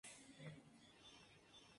comerán